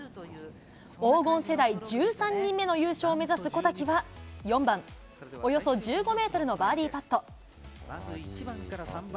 黄金世代１３人目の優勝を目指す小滝は、４番、およそ１５メートルのバーディーパット。